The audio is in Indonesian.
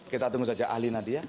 kita tunggu saja ahli nanti ya